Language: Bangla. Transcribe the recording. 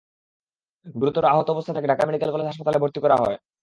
গুরুতর আহত অবস্থায় তাঁকে ঢাকা মেডিকেল কলেজ হাসপাতালে ভর্তি করা হয়।